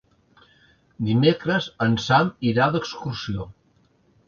Dimecres en Sam irà d'excursió.